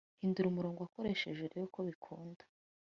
Hindura umurongo wakoresheje urebe ko bikunda